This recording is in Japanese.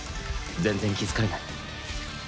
全然気づかれない。